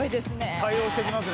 対応してきますね。